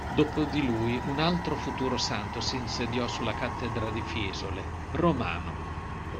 Dopo di lui un altro futuro santo si insediò sulla cattedra di Fiesole: Romano.